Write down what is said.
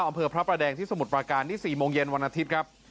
อำเภอพระประแดงที่สมุทรปราการนี่๔โมงเย็นวันอาทิตย์ครับ